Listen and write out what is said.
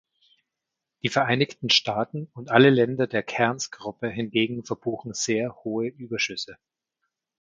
Die Vereinigten Staaten und alle Länder der Cairns-Gruppe hingegen verbuchen sehr hohe Überschüsse.